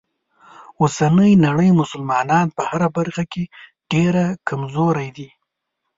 اوسنۍ نړۍ مسلمانان په هره برخه کې ډیره کمزوری دي.